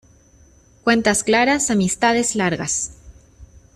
Cuentas claras, amistades largas.